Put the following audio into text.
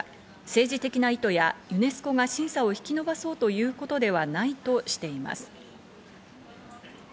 政治的な意図やユネスコが審査を引き延ばそうということではないとしています。